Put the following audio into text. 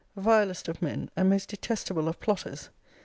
Vilest of men, and most detestable of plotters!